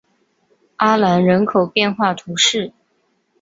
阿兰人口变化图示